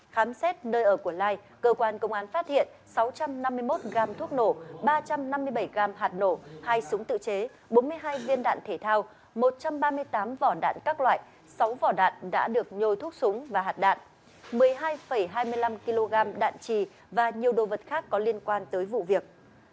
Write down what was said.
khám xét nơi ở của lai cơ quan công an phát hiện sáu trăm năm mươi một gam thuốc nổ ba trăm năm mươi bảy gram hạt nổ hai súng tự chế bốn mươi hai viên đạn thể thao một trăm ba mươi tám vỏ đạn các loại sáu vỏ đạn đã được nhôi thuốc súng và hạt đạn một mươi hai hai mươi năm kg đạn trì và nhiều đồ vật khác có liên quan tới vụ việc